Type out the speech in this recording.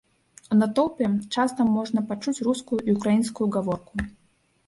У натоўпе часта можна пачуць рускую і ўкраінскую гаворку.